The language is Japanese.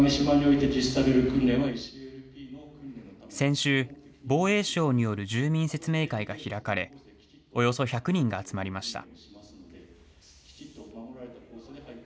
先週、防衛省による住民説明会が開かれ、およそ１００人が集まりました。